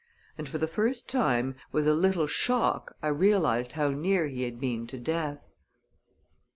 And for the first time, with a little shock, I realized how near he had been to death.